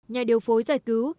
nhà điều phối giải cứu